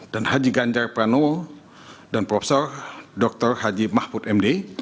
haji ganjar pranowo dan prof dr haji mahfud md